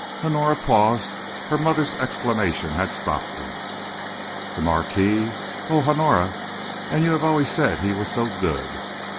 '" Honora paused; her mother's exclamation had stopped her: "The marquis! Oh! Honora, and you have always said he was so good!"